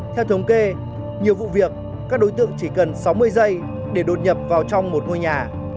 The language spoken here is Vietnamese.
theo thống kê nhiều vụ việc các đối tượng chỉ cần sáu mươi giây để đột nhập vào trong một ngôi nhà